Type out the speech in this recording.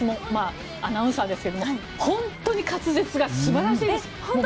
アナウンサーですけども本当に滑舌が素晴らしいです。